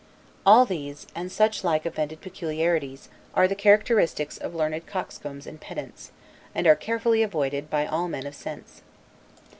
All these, and such like affected peculiarities, are the characteristics of learned coxcombs and pedants, and are carefully avoided by all men of sense.